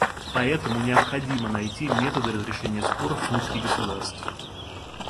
Поэтому необходимо найти методы разрешения споров внутри государств.